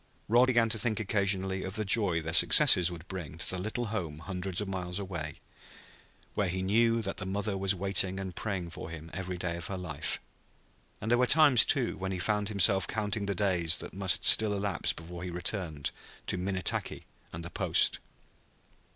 Rod began to think occasionally of the joy their success would bring to the little home hundreds of miles away, where he knew that the mother was waiting and praying for him every day of her life; and there were times, too, when he found himself counting the days that must still elapse before he returned to Minnetaki and the Post.